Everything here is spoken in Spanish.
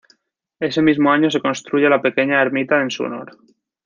Ese mismo año se construye la pequeña ermita en su honor.